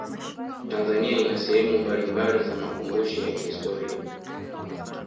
tanzania ina sehemu mbalimbali za makumbusho ya kihistoria